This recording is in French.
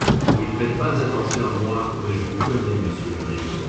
Vous ne faites pas attention à moi, mais je vous connais, monsieur Marius.